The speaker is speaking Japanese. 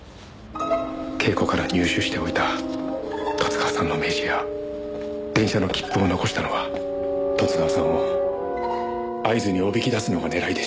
恵子から入手しておいた十津川さんの名刺や電車の切符を残したのは十津川さんを会津におびき出すのが狙いでした。